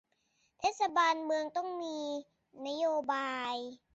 เทศบาลเมืองต้องมีนโยบาย